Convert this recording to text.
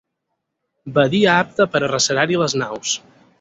Badia apta per arrecerar-hi les naus.